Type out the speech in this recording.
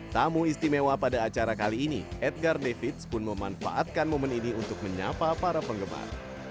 tamu istimewa pada acara kali ini edgar davids pun memanfaatkan momen ini untuk menyapa para penggemar